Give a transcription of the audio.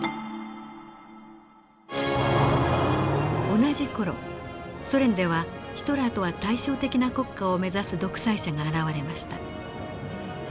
同じ頃ソ連ではヒトラーとは対照的な国家を目指す独裁者が現れました。